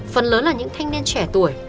và những thanh niên trẻ tuổi